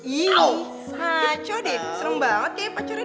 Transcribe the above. iiih saco deh serem banget kayak pacarnya